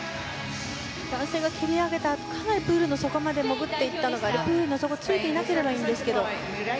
男性が蹴り上げたかなりプールの底まで潜っていったのがプールの底についていなければいいんですけれども。